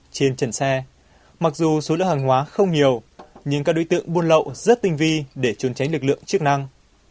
trên trần xe mặc dù số lượng hàng hóa không nhiều nhưng các đối tượng buôn lậu rất tinh vi để trốn tránh lực lượng chức năng